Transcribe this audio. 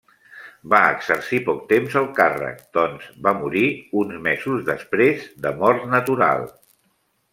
Va exercir poc temps el càrrec doncs va morir uns mesos després de mort natural.